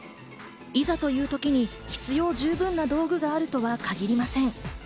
いざという時に必要十分な道具があるとは限りません。